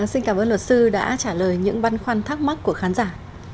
xin cảm ơn luật sư đã trả lời những băn khoăn thắc mắc của khán giả